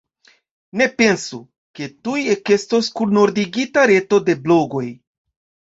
Ne pensu, ke tuj ekestos kunordigita reto de blogoj.